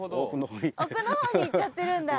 奥の方に行っちゃってるんだ